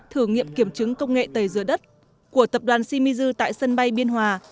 thử nghiệm kiểm chứng công nghệ tẩy dừa đất của tập đoàn shimizu tại sân bay biên hòa